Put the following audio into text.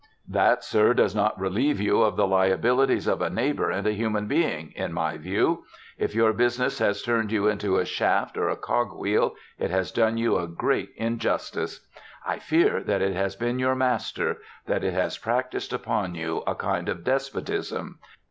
"That, sir, does not relieve you of the liabilities of a neighbor and a human being, in my view. If your business has turned you into a shaft or a cog wheel, it has done you a great injustice. I fear that it has been your master that it has practised upon you a kind of despotism.